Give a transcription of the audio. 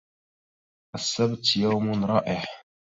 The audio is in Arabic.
السّبت يوم رائع.